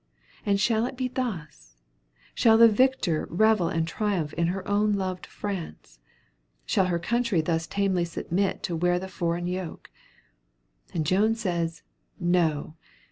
And shall it be thus? Shall the victor revel and triumph in her own loved France? Shall her country thus tamely submit to wear the foreign yoke? And Joan says, No!